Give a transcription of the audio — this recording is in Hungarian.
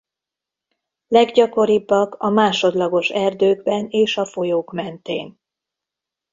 Leggyakoribbak a másodlagos erdőkben és a folyók mentén.